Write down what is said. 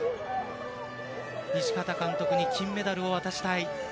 西畑監督に金メダルを渡したい。